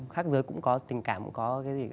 khác giới cũng có tình cảm cũng có cái gì